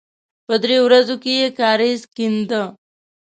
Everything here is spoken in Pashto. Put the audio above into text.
په دریو ورځو کې یې کاریز کېنده.